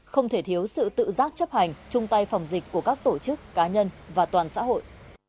không thể thiếu sự tự giác chấp hành chung tay phòng dịch của các tổ chức cá nhân và toàn xã hội